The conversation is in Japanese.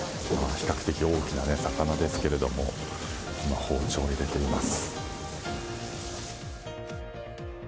比較的大きな魚ですけれども包丁を入れています。